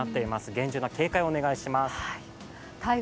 厳重な警戒をお願いします。